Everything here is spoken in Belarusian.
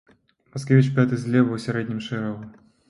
Маскевіч пяты злева ў сярэднім шэрагу.